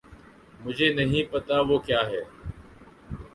مجھے نہیں پتا وہ کہاں ہے